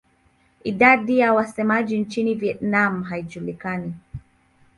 Idadi ya wasemaji nchini Vietnam haijulikani.